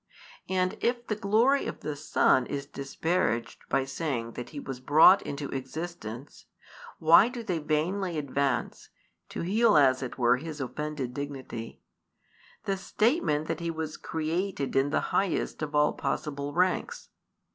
And if the glory of the Son is disparaged by saying that He was brought into existence, why do they vainly advance (to heal as it were His offended dignity) the statement that He was created in the highest of all possible ranks?